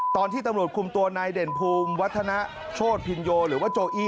ตอนที่ตำรวจคุมตัวนายเด่นภูมิวัฒนาโชธพินโยหรือว่าโจอี้